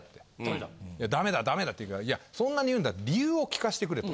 ダメだダメだって言うからいやそんなに言うなら理由を聞かせてくれと。